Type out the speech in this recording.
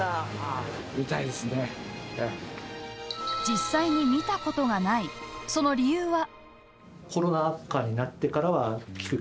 実際に見たことがないその理由は？